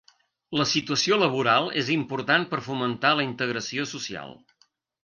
La situació laboral és important per fomentar la integració social.